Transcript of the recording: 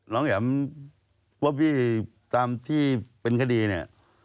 น้องหย่ำพ่อพี่ตามที่เป็นคดีเนี่ย